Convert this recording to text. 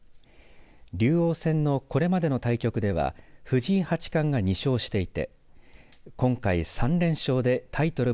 竜王戦のこれまでの対局では藤井八冠が２勝していて今回３連勝でタイトル